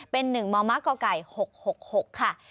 เป็นหนึ่งมมกกหกหกหกค่ะ